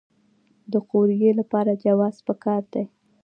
د قوریې لپاره جواز پکار دی؟